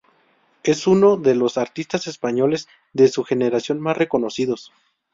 Es uno de los artistas españoles de su generación más reconocidos.